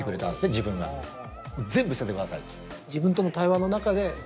自分が「全部捨ててください」。